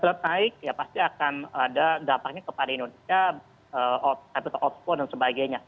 terbatas naik ya pasti akan ada dapatnya kepada indonesia capital outflow dan sebagainya